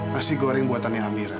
nasi goreng buatan yang amira